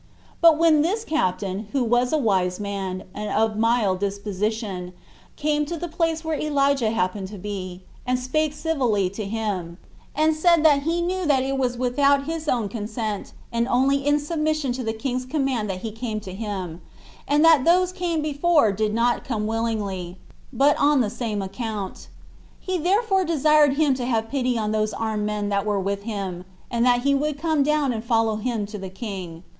But when this captain, who was a wise man, and of a mild disposition, came to the place where Elijah happened to be, and spake civilly to him; and said that he knew that it was without his own consent, and only in submission to the king's command that he came to him; and that those that came before did not come willingly, but on the same account; he therefore desired him to have pity on those armed men that were with him, and that he would come down and follow him to the king.